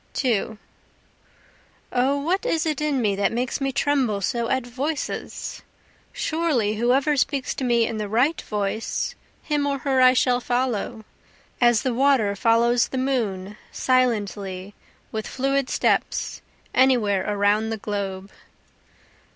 2 O what is it in me that makes me tremble so at voices? Surely whoever speaks to me in the right voice, him or her I shall follow, As the water follows the moon, silently, with fluid steps, anywhere around the globe.